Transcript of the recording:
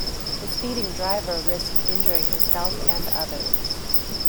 The speeding driver risked injuring himself and others.